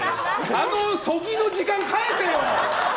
あのそぎの時間返せよ！